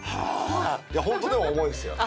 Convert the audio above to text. ホントでも重いですよね。